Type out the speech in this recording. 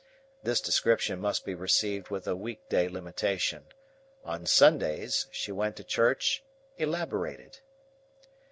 This description must be received with a week day limitation. On Sundays, she went to church elaborated.